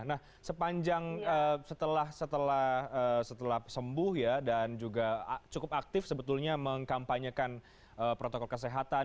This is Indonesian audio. nah sepanjang setelah sembuh ya dan juga cukup aktif sebetulnya mengkampanyekan protokol kesehatan